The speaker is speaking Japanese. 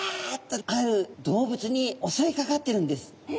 とある動物におそいかかっているんです。